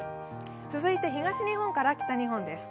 続いて、東日本から北日本です。